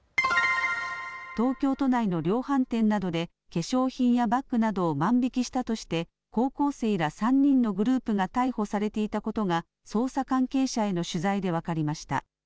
東京都内の量販店などで、化粧品やバッグなどを万引きしたとして、高校生ら３人のグループが逮捕されていたことが、捜査関係者への取材で分かりました。